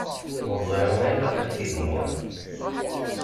Ur ẓriɣ ma ilaq ad k-t-id-iniɣ.